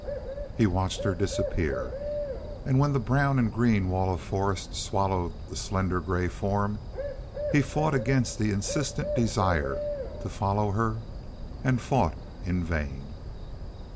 He watched her disappear, and when the brown and green wall of forest swallowed the slender gray form he fought against the insistent desire to follow her, and fought in vain.